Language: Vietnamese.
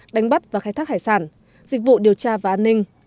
đánh bắt và khai thác hải sản dịch vụ điều tra và an ninh